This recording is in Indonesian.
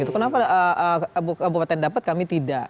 kenapa kabupaten dapat kami tidak